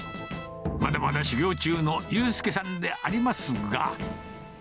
まだまだ修業中の悠佑さんでありますが。